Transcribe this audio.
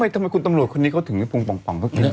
เอ๊ะทำไมคุณตำรวจคนนี้เขาถึงในภูมิปล่องเพราะกิน